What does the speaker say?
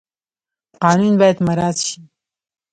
قانون باید مراعات شي